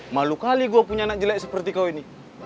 malu kali gue punya anak jelek seperti kau ini